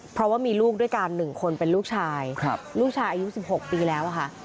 เพราะว่ามีลูกด้วยกัน๑คนเป็นลูกชายลูกชายอายุ๑๖ปีแล้วค่ะ